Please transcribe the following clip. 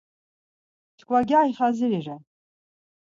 Çkva gyari xaziri ren.